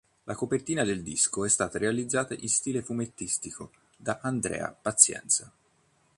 La copertina del disco è stata realizzata in stile fumettistico da Andrea Pazienza.